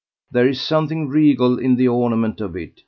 There is something regal in the ornament of it.